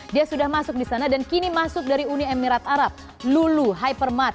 dia sudah masuk di sana dan kini masuk dari uni emirat arab lulu hypermatd